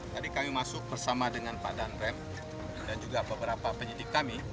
tadi kami masuk bersama dengan pak danrem dan juga beberapa penyidik kami